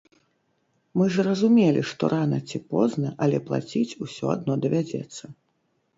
Мы ж разумелі, што рана ці позна, але плаціць усё адно давядзецца.